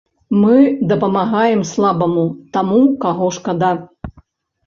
Мы дапамагаем слабаму, таму, каго шкада.